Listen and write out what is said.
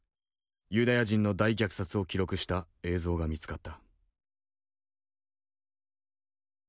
ユダヤ人の大虐殺を記録した映像が見つかった。